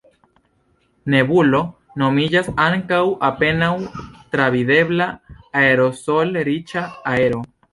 Nebulo nomiĝas ankaŭ apenaŭ travidebla aerosol-riĉa aero.